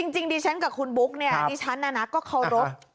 จริงดิฉันกับคุณบุ๊กเนี่ยดิฉันก็เคารพ